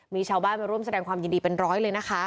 มีชาวบ้านมาร่วมแสดงความยินดีเป็นร้อยเลยนะคะ